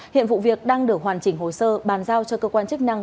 hiện vụ việc đang được hoàn chỉnh hồ sơ bàn giao cho cơ quan chức năng